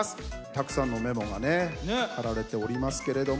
たくさんのメモがね貼られておりますけれども。